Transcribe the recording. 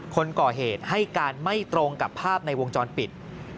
คนก่อเหตุให้การไม่ตรงกับภาพในวงจรปิด